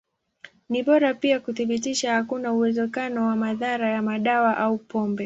Ni bora pia kuthibitisha hakuna uwezekano wa madhara ya madawa au pombe.